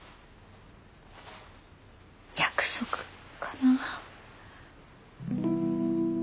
約束かな。